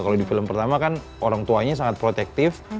kalau di film pertama kan orang tuanya sangat protektif